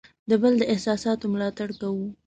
د بل د احساس ملاتړ کوو.